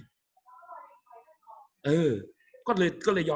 กับการสตรีมเมอร์หรือการทำอะไรอย่างเงี้ย